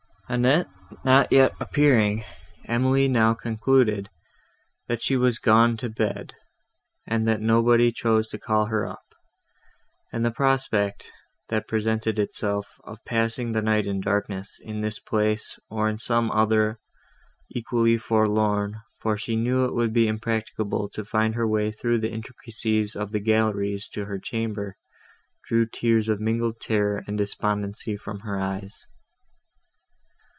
Annette not yet appearing, Emily now concluded, that she was gone to bed, and that nobody chose to call her up; and the prospect, that presented itself, of passing the night in darkness, in this place, or in some other equally forlorn (for she knew it would be impracticable to find her way through the intricacies of the galleries to her chamber), drew tears of mingled terror and despondency from her eyes.